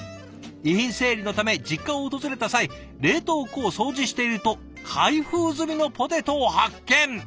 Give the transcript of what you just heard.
遺品整理のため実家を訪れた際冷凍庫を掃除していると開封済みのポテトを発見。